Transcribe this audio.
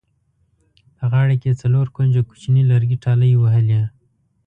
په غاړه کې یې څلور کونجه کوچیني لرګي ټالۍ وهلې.